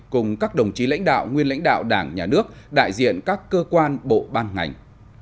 cùng các đồng chí lãnh đạo nguyên lãnh đạo đảng nhà nước đại diện các cơ quan bộ ban ngành